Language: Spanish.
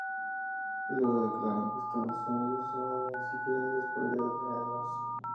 Luego declaran que estando unidos, nadie, ni siquiera Dios, podría detenerlos.